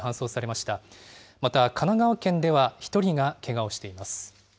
また神奈川県では１人がけがをしています。